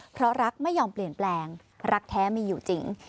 เพราะรักไม่ยอมเปลี่ยนแปลงรักแท้มีอยู่จริง